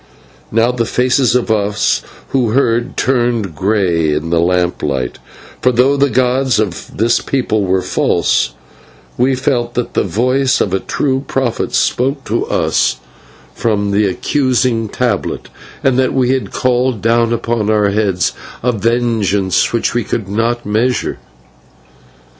Now the faces of us who heard turned grey in the lamplight, for though the gods of this people were false, we felt that the voice of a true prophet spoke to us from that accusing tablet, and that we had called down upon our heads a vengeance which we could not measure.